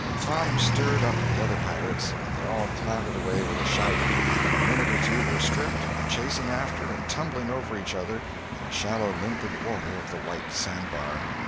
Tom stirred up the other pirates and they all clattered away with a shout, and in a minute or two were stripped and chasing after and tumbling over each other in the shallow limpid water of the white sandbar.